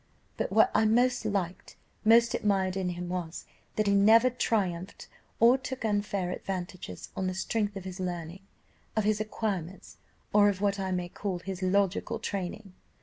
"But what I most liked, most admired, in him was, that he never triumphed or took unfair advantages on the strength of his learning, of his acquirements, or of what I may call his logical training.